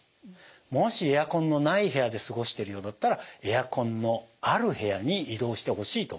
もしエアコンのない部屋で過ごしてるようだったらエアコンのある部屋に移動してほしいと思います。